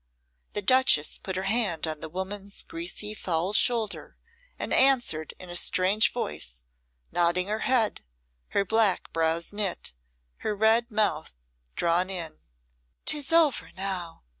The Duchess put her hand on the woman's greasy, foul shoulder and answered in a strange voice, nodding her head, her black brows knit, her red mouth drawn in. "'Tis over now!"